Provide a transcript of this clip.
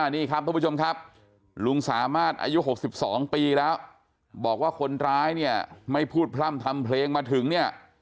นี่ครับทุกผู้ชมครับลุงสามารถอายุ๖๒ปีแล้วบอกว่าคนร้ายเนี่ยไม่พูดพร่ำทำเพลงมาถึงเนี่ย